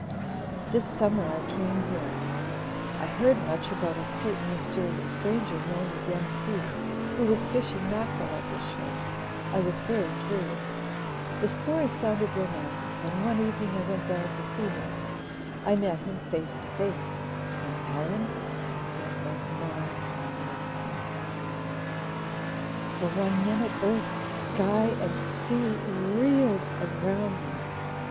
"This summer I came here. I heard much about a certain mysterious stranger known as 'Young Si' who was fishing mackerel at this shore. I was very curious. The story sounded romantic, and one evening I went down to see him. I met him face to face and, Helen, it was Miles Lesley! "For one minute earth, sky and sea reeled around me.